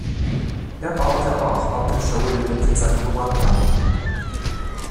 Er baute aber auch andere Show-Elemente in seine Nummern ein.